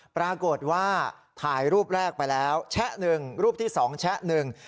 ปรากฏว่าถ่ายรูปแรกไปแล้วแชะหนึ่งรูปที่สองแชะหนึ่ง